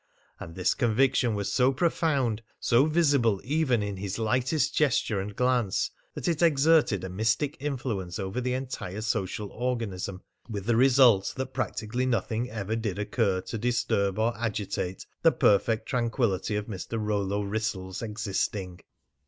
And this conviction was so profound, so visible even in his lightest gesture and glance, that it exerted a mystic influence over the entire social organism, with the result that practically nothing ever did occur to disturb or agitate the perfect tranquillity of Mr. Rollo Wrissell's existing.